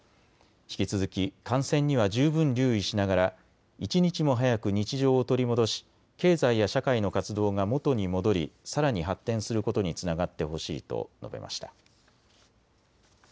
引き続き感染には十分留意しながら一日も早く日常を取り戻し経済や社会の活動が元に戻りさらに発展することにつながってほしいと述べました。